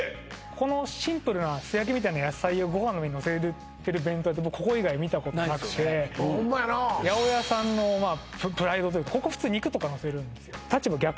このシンプルな素焼きみたいな野菜をご飯の上にのせてる弁当屋って僕ここ以外見たことなくてホンマやなというかここ普通肉とかのせるんですよ